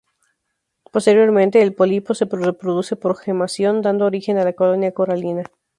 Posteriormente, el pólipo se reproduce por gemación, dando origen a la colonia coralina.